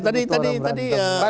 tadi tadi tadi